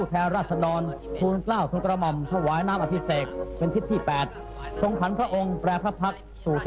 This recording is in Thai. จากนั้นเวลา๑๑นาฬิกาเศรษฐ์พระธินั่งไพรศาลพักศิลป์